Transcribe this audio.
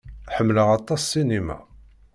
Ḥemmleɣ aṭas ssinima.